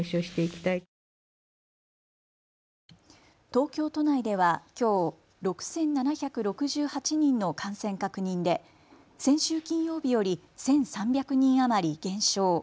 東京都内では、きょう６７６８人の感染確認で先週金曜日より１３００人余り減少。